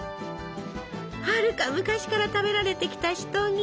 はるか昔から食べられてきたシトギ。